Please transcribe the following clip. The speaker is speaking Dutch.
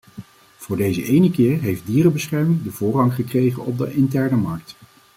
Voor deze ene keer heeft dierenbescherming de voorrang gekregen op de interne markt.